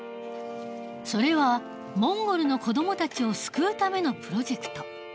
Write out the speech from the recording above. それはモンゴルの子どもたちを救うためのプロジェクト。